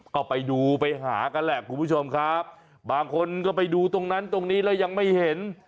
ก็ไปดูไปหากันแหละคุณผู้ชมครับบางคนก็ไปดูตรงนั้นตรงนี้แล้วยังไม่เห็น